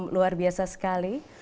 luar biasa sekali